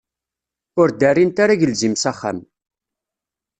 Ur d-rrint ara agelzim s axxam.